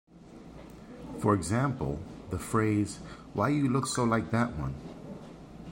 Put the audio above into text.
For example, the phrase Why you so like that one?